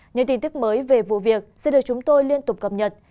những tin tức mới về vụ việc sẽ được chúng tôi liên tục cập nhật